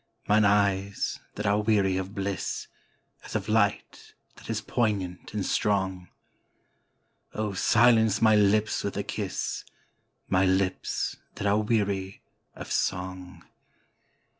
Mine eyes that are weary of blissAs of light that is poignant and strong. Oh, silence my lips with a kiss, My lips that are weary of song!